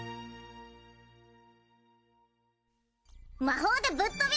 魔法でぶっ飛び！